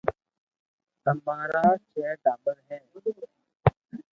امارآ ڇي ٽاٻر ھي